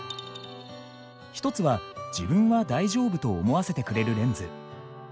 一つは「自分は大丈夫」と思わせてくれるレンズ。